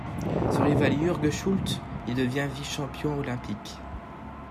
Son rival Jürgen Schult y devint vice-champion olympique.